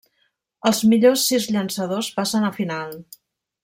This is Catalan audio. Els millors sis llançadors passen a final.